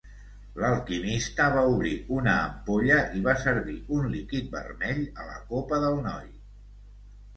L'alquimista va obrir una ampolla i va servir un líquid vermell a la copa del noi.